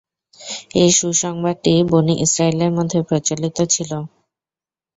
এ সুসংবাদটি বনী ইসরাঈলের মধ্যে প্রচলিত ছিল।